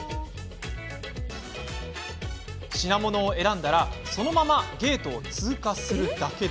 品物を選んだらそのままゲートを通過するだけ。